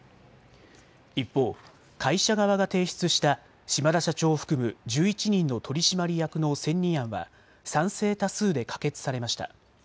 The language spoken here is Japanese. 一方、会社側が提出した島田社長を含む１１人の取締役の選任案は賛成多数で可決されました。